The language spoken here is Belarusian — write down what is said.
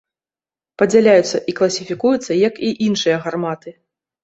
Падзяляюцца і класіфікуюцца як і іншыя гарматы.